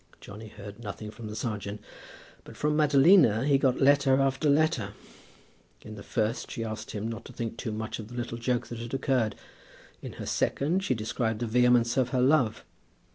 Johnny heard nothing from the serjeant; but from Madalina he got letter after letter. In the first she asked him not to think too much of the little joke that had occurred. In her second she described the vehemence of her love.